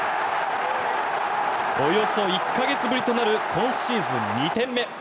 およそ１か月ぶりとなる今シーズン２点目。